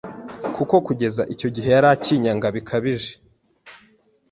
kuko kugeza icyo gihe cyose yari akinyanga bikabije